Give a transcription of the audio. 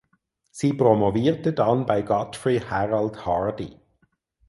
Sie promovierte dann bei Godfrey Harold Hardy.